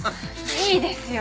いいですよ！